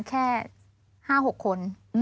แค่ห้าหกคน